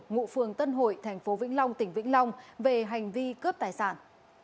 ngụ phường tân hội tp vĩnh long tỉnh vĩnh long về hành vi cướp tài sản